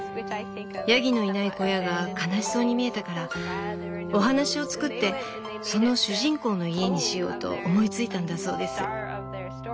ヤギのいない小屋が悲しそうに見えたからお話を作ってその主人公の家にしようと思いついたんだそうです。